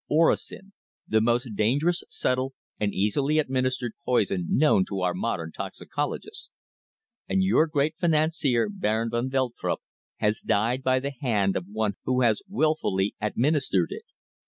"Orosin the most dangerous, subtle and easily administered poison known to our modern toxicologists. And your great financier Baron van Veltrup has died by the hand of one who has wilfully administered it!"